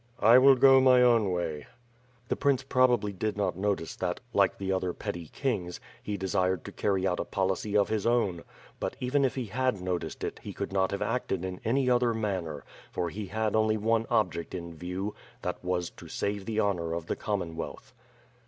"I will go my own way." The prince probably did not notice that, like the other petty kings, he desired to carry out a policy of his own; but even if he had noticed it he could not have acted in any other manner, for he had only one object in view; that was, to save the honor of the Commonwealth.